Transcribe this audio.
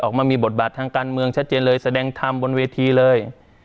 ออกมามีบทบาททางการเมืองชัดเจนเลยแสดงธรรมบนเวทีเลย